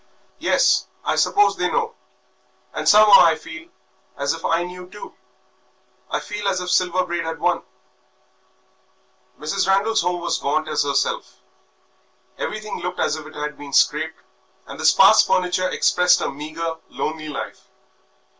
"Yes, I suppose they know, and somehow I feel as if I knew too. I feel as if Silver Braid had won." Mrs. Randal's home was gaunt as herself. Everything looked as if it had been scraped, and the spare furniture expressed a meagre, lonely life.